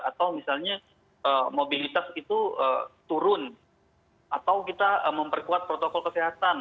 atau misalnya mobilitas itu turun atau kita memperkuat protokol kesehatan